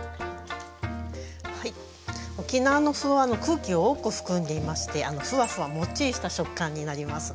はい沖縄の麩は空気を多く含んでいましてふわふわもっちりした食感になります。